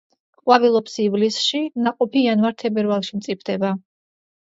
ყვავილობს ივლისში, ნაყოფი იანვარ-თებერვალში მწიფდება.